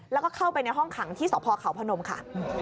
แล้วก็เข้าไปในห้องขังที่สพเขาพนมค่ะ